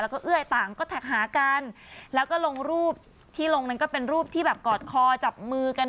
แล้วก็เอ้ยต่างก็แท็กหากันแล้วก็ลงรูปที่ลงนั้นก็เป็นรูปที่แบบกอดคอจับมือกัน